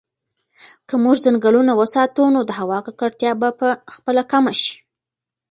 که موږ ځنګلونه وساتو نو د هوا ککړتیا به په خپله کمه شي.